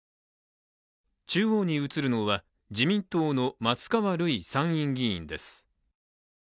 中央に写るのは自民党の松川るい参議院議員です。